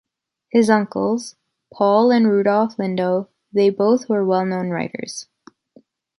His uncles, Paul and Rudolf Lindau, they both were well known writers.